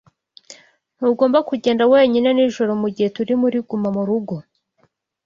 Ntugomba kugenda wenyine nijoro mugihe turi muri gumamurugo.